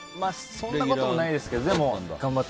そんなこともないですけど頑張って。